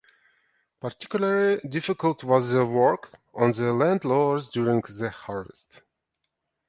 Particularly difficult was the work on the landlords during the harvest.